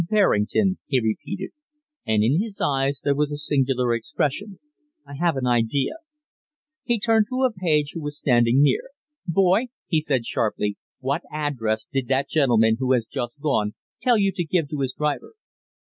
"Berrington," he repeated and in his eyes there was a singular expression "I have an idea." He turned to a page who was standing near. "Boy," he said sharply, "what address did that gentleman who has just gone tell you to give to his driver?"